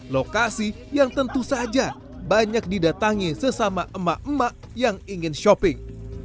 lokasi yang tentu saja banyak didatangi sesama emak emak yang ingin shopping